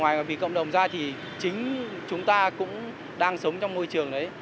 ngoài vì cộng đồng ra thì chính chúng ta cũng đang sống trong môi trường đấy